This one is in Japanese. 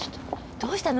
どうしたの？